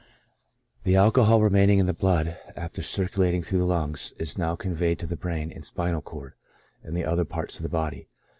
The alcohol remaining in the blood, after circulating through the lungs, is now conveyed to the brain and spinal cord, and the other parts of the body.